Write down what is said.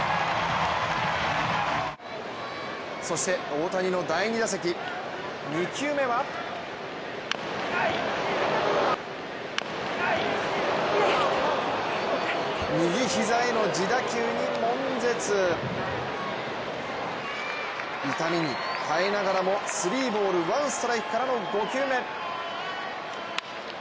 そして、大谷の第２打席２球目は右膝への自打球にもん絶痛みに耐えながらもスリーボールワンストライクからの５球目。